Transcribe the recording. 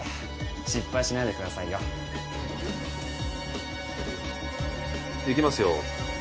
失敗しないでくださいよいきますよ